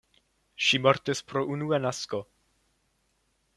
Ŝi mortis pro unua nasko.